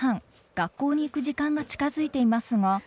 学校に行く時間が近づいていますが。